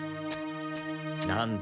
なんだ？